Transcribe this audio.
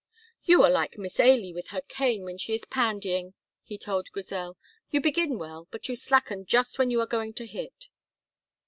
"You are like Miss Ailie with her cane when she is pandying," he told Grizel. "You begin well, but you slacken just when you are going to hit."